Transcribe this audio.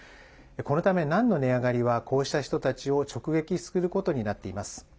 このため、ナンの値上がりはこうした人たちを直撃することになっています。